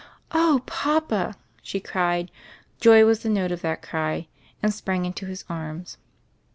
"Oh, papa !" she cried — joy was the note of that cry — and sprang into his arms.